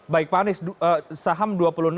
baik pak anies saham dua puluh enam dua puluh lima